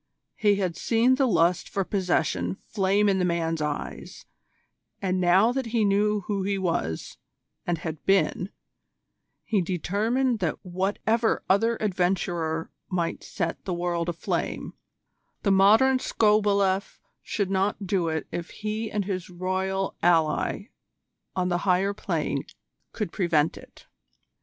He had seen the lust for possession flame in the man's eyes, and now that he knew who he was and had been he determined that whatever other adventurer might set the world aflame, the Modern Skobeleff should not do it if he and his Royal ally on the Higher Plane could prevent it.